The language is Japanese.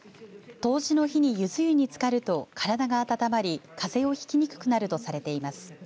冬至の日にゆず湯につかると体が温まりかぜをひきにくくなるとされています。